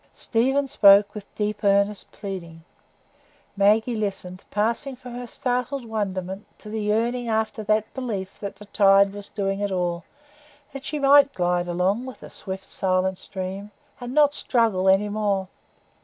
Stephen spoke with deep, earnest pleading. Maggie listened, passing from her startled wonderment to the yearning after that belief that the tide was doing it all, that she might glide along with the swift, silent stream, and not struggle any more.